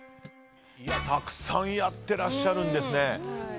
たくさんやってらっしゃるんですね。